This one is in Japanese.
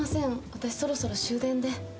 私そろそろ終電で。